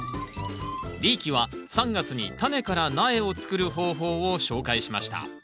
リーキは３月にタネから苗を作る方法を紹介しました。